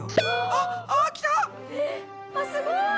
あっすごい！